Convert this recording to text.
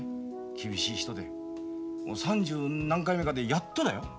厳しい人で三十何回目かでやっとだよ